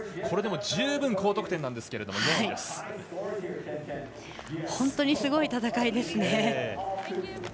これでも十分、高得点ですが本当にすごい戦いですね。